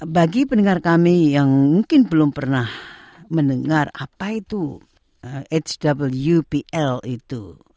bagi pendengar kami yang mungkin belum pernah mendengar apa itu hwpl itu